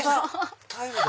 タイルだ！